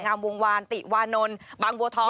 งามวงวาลติวานนนบางบวท่อง